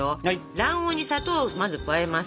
卵黄に砂糖をまず加えます。